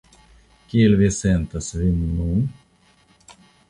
Kiel vi sentas vin nun?